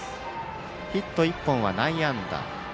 ヒット１本は、内野安打。